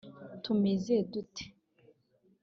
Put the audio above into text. tumeze dute